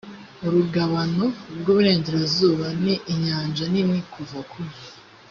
urugabano rw’iburengerazuba ni inyanja nini kuva ku